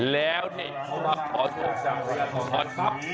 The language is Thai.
แล้วเนี่ยขอโทษขอโทษ